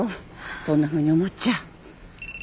そんなふうに思っちゃ。